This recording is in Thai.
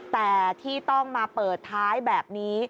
แต่ที่ต้องมาเปิดท้ายแบบนี้